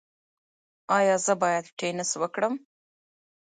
ایا زه باید ټینس وکړم؟